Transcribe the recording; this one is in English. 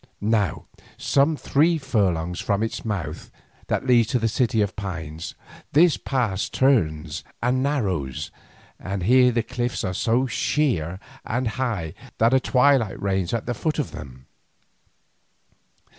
Now, some three furlongs from its mouth that leads to the City of Pines, this pass turns and narrows, and here the cliffs are so sheer and high that a twilight reigns at the foot of them.